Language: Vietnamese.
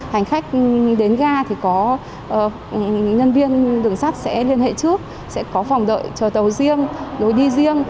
hành khách đến ga thì có nhân viên đường sắt sẽ liên hệ trước sẽ có phòng đợi chờ tàu riêng lối đi riêng